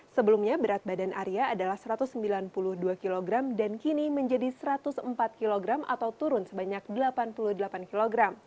sebelumnya berat badan arya adalah satu ratus sembilan puluh dua kg dan kini menjadi satu ratus empat kg atau turun sebanyak delapan puluh delapan kg